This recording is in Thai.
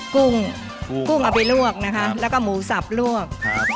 กุ้งเอาไปลวกแล้วก็หมูสับลวก